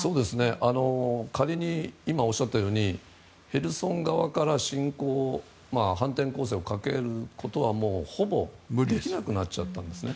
仮に今おっしゃったようにヘルソン側から反転攻勢をかけることはもうほぼできなくなっちゃったんですね。